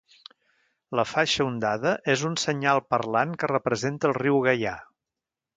La faixa ondada és un senyal parlant que representa el riu Gaià.